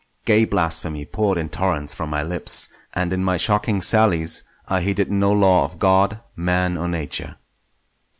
Gay blasphemy poured in torrents from my lips, and in my shocking sallies I heeded no law of God, Man, or Nature.